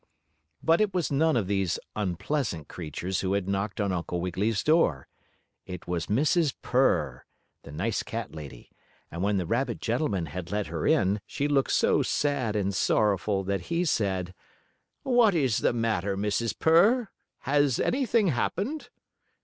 But it was none of these unpleasant creatures who had knocked on Uncle Wiggily's door. It was Mrs. Purr, the nice cat lady, and when the rabbit gentleman had let her in she looked so sad and sorrowful that he said: "What is the matter, Mrs. Purr? Has anything happened?"